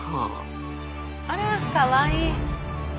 あらかわいい。